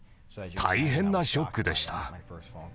大変なショックでした。